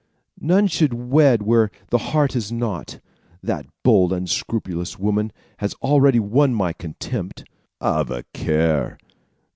"] "None should wed where the heart is not. That bold, unscrupulous woman has already won my contempt." "Have a care!"